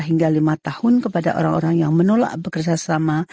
hingga lima tahun kepada orang orang yang menolak bekerjasama